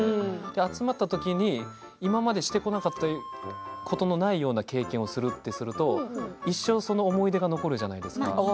集まった時に今までしてこなかったような経験をするとすると一生思い出が残るじゃないですか。